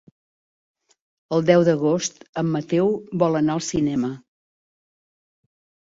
El deu d'agost en Mateu vol anar al cinema.